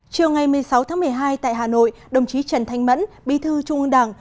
chiều ngày một mươi sáu tháng một mươi hai tại hà nội đồng chí trần thanh mẫn bí thư trung ương đảng